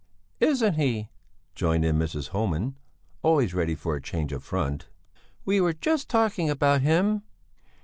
"Isn't he?" joined in Mrs. Homan, always ready for a change of front. "We were just talking about him."